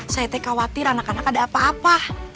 saya khawatir anak anak ada apa apa